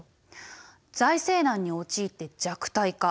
財政難に陥って弱体化。